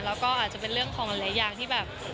แล้วก็อาจจะเป็นเรื่องของหลายอย่างที่แบบ